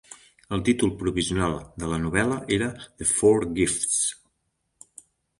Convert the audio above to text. El títol provisional de la novel·la era "The Four Gifts".